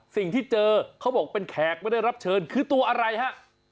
สิ่งที่เจอเขาบอกเป็นแขกไม่ได้รับเชิญคือตัวอะไรฮะ